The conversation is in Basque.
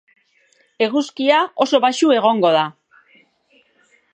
Eguzkia oso baxu egongo da.